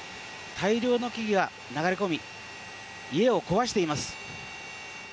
大量の木々が流れ込み家を壊しています。